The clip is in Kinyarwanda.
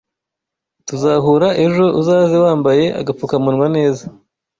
Tuzahura ejo uzaze wambaye agapfukamunwa neza